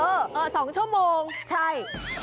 ๒ชั่วโมงใช่